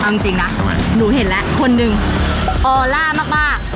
เอาจริงนะหนูเห็นแล้วคนหนึ่งออล่ามาก